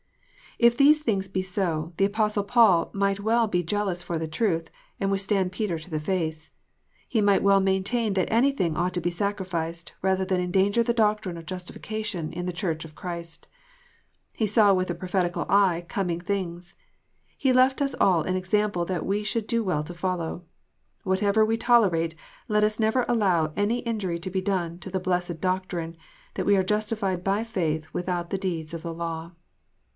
If these things be so, the Apostle Paul might well be jealous for the truth, and withstand Peter to the face. He might well maintain that anything ought to be sacrificed, rather than endanger the doctrine of justification in the Church of Christ. He saw with a prophetical eye coming things. He left us all an example that we should do well to folloAV. Whatever we tolerate, let us never allow any injury to be done to that blessed doctrine, that we are justified by faith without the deeds of the law.